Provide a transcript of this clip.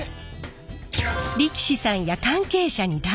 力士さんや関係者に大人気！